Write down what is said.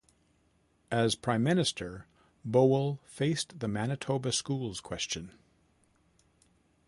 As Prime Minister, Bowell faced the Manitoba Schools Question.